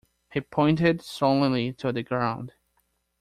He pointed solemnly to the ground.